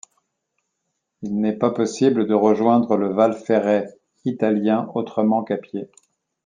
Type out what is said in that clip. Il n'est pas possible de rejoindre le val Ferret italien autrement qu'à pied.